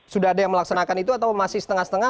sudah ada yang melaksanakan itu atau masih setengah setengah